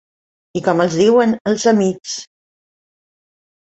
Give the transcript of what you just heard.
I com els diuen, els amics?